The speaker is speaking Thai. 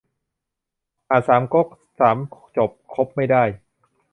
อ่านสามก๊กสามจบคบไม่ได้